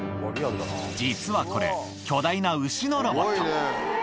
実はこれ、巨大な牛のロボット。